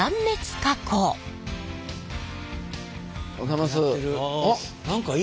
おはようございます。